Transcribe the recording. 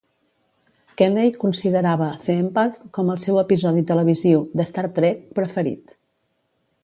Kelley considerava "The Empath" com el seu episodi televisiu de "Star Trek" preferit.